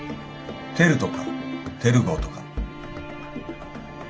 テルとかテル号とか。